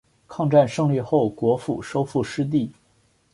抗战胜利后国府收复失地。